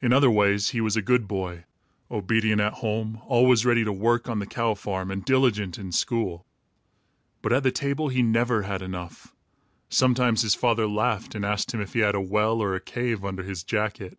In other ways, he was a good boy, obedient at home, always ready to work on the cow farm, and diligent in school. But at the table he never had enough. Sometimes his father laughed and asked him if he had a well, or a cave, under his jacket.